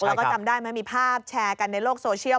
แล้วก็จำได้ไหมมีภาพแชร์กันในโลกโซเชียล